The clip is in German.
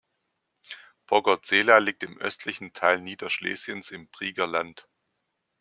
Pogorzela liegt im östlichen Teil Niederschlesiens im Brieger Land.